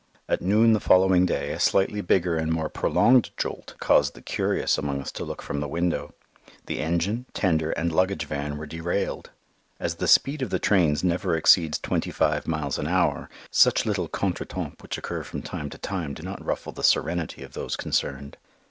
At noon the following day a slightly bigger and more prolonged jolt caused the curious among us to look from the window. The engine, tender, and luggage van were derailed. As the speed of the trains never exceeds twenty five miles an hour, such little contretemps which occur from time to time do not ruffle the serenity of those concerned.